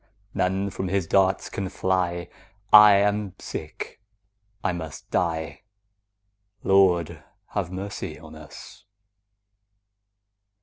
None from his darts can fly; 5 I am sick, I must die— Lord, have mercy on us!